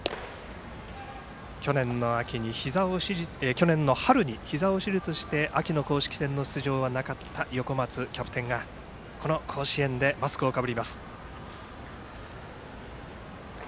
去年の春にひざを手術して秋の公式戦の出場はなかった横松キャプテンがこの甲子園でマスクをかぶります。